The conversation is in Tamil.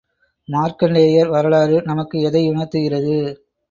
மார்க்கண்டேயர் வரலாறு நமக்கு எதையுணர்த்துகிறது?